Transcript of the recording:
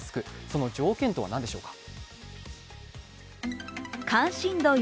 その条件とは何でしょうか。